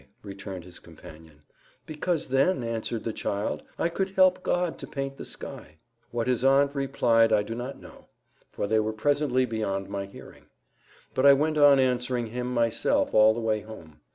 returned his companion. "Because, then," answered the child, "I could help God to paint the sky." What his aunt replied I do not know; for they were presently beyond my hearing. But I went on answering him myself all the way home.